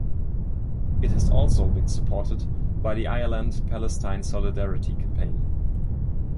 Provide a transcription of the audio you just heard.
It has also been supported by the Ireland Palestine Solidarity Campaign.